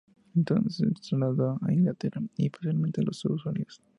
Entonces se trasladó a Inglaterra, y posteriormente a los Estados Unidos.